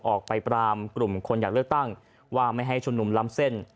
ออกไปปรามกลุ่มคนอยากเลือกตั้งว่าไม่ให้ชุมนุมล้ำเส้น